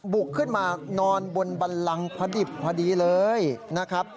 บุกขึ้นมานอนบนบันลังพอดิบพอดีเลยนะครับ